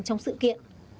trong sự kiện